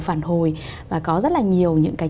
phản hồi và có rất là nhiều những cái